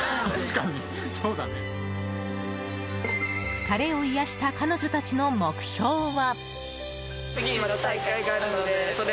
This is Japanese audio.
疲れを癒やした彼女たちの目標は。